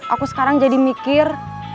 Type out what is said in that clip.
aku sekarang jadi mikir